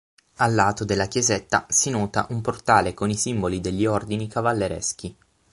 A lato della chiesetta si nota un portale con i simboli degli ordini cavallereschi.